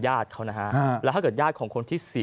ญาติเขานะฮะแล้วถ้าเกิดญาติของคนที่๔